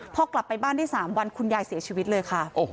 พอกลับไปบ้านได้๓วันคุณยายเสียชีวิตเลยค่ะ